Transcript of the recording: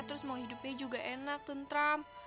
terus mau hidupnya juga enak tuh trump